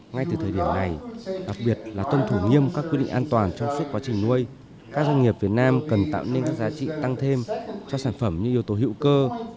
ngay từ thời điểm này đặc biệt là tuân thủ nghiêm các quy định an toàn trong suốt quá trình nuôi các doanh nghiệp việt nam cần tạo nên các giá trị tăng thêm cho sản phẩm như yếu tố hữu cơ